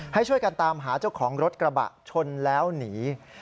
ให้ช่วยกันตามหาเจ้าของรถกระบะชนแล้วหนี